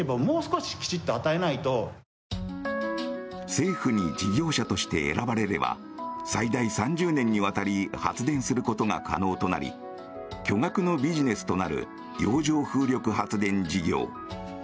政府に事業者として選ばれれば最大３０年にわたり発電することが可能となり巨額のビジネスとなる洋上風力発電事業。